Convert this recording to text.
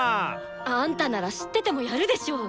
あんたなら知っててもやるでしょ。